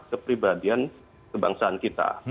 kepribadian kebangsaan kita